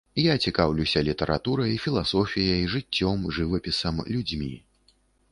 Я цікаўлюся літаратурай, філасофіяй, жыццём, жывапісам, людзьмі.